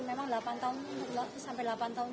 memang delapan tahun sampai delapan tahun